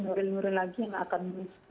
nuril muril lagi yang akan